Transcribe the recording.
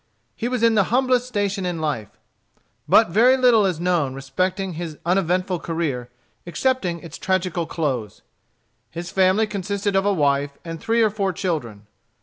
He was in the humblest station in life. But very little is known respecting his uneventful career excepting its tragical close. His family consisted of a wife and three or four children.